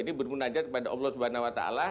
ini bermunajat kepada allah swt